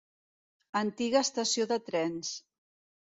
Antiga estació de trens.